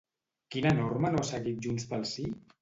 Quina norma no ha seguit JxSí?